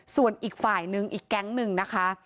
ส่วนอีกฝ่ายนึงอีกแก๊งหนึ่งนะคะ